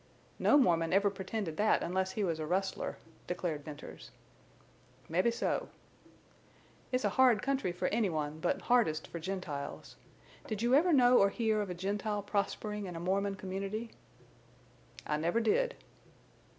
"No Mormon ever pretended that unless he was a rustler," declared Venters. "Mebbe so." "It's a hard country for any one, but hardest for Gentiles. Did you ever know or hear of a Gentile prospering in a Mormon community?" "I never did."